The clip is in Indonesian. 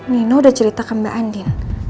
nino udah ceritakan mbak andin